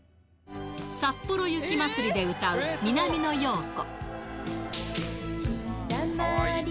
さっぽろ雪まつりで歌う南野陽子。